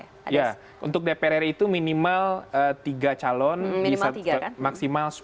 ya untuk dpr ri itu minimal tiga calon bisa maksimal sepuluh